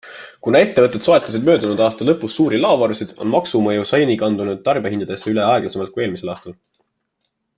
Kuna ettevõtted soetasid möödunud aasta lõpus suuri laovarusid, on maksumõju seni kandunud tarbijahindadesse üle aeglasemalt kui eelmisel aastal.